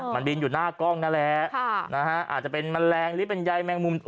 มันบินอยู่หน้ากล้องนั่นแหละอาจจะเป็นแมลงหรือเป็นใยแมงมุม